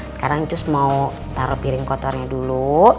sekarang cus mau taruh piring kotornya dulu